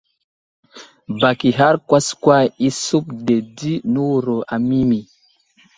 Bak ihar kwaskwa i suvde di newuro a Mimi.